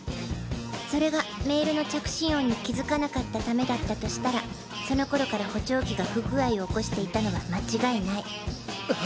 それがメールの着信音に気づかなかった為だったとしたらその頃から補聴器が不具合を起こしていたのは間違いない。